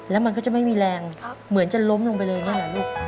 แล้วมันก็จะไม่มีแรงเหมือนจะล้มลงไปเลยอย่างนี้เหรอลูก